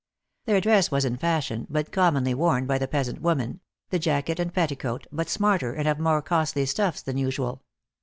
Their dress was in fashion, but commonly worn by the peasant women the jacket and petticoat but smarter, and of more costly stuffs than usual.